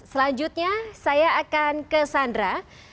selanjutnya saya akan ke sandra